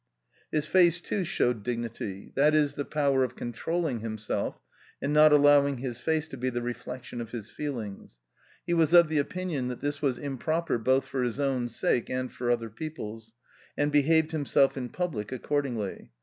is face, too, showed dignity — that is, the power of con trolling himself and not allowing his face to be the reflection ^gf his feelings. He was of the opinion that this was im proper both for his own sake, and for other people's, and behaved himself in public accordingly.